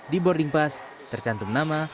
di boarding pass tercantum nama